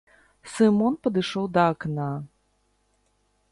Сымон падышоў да акна.